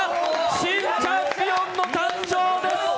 新チャンピオンの誕生です。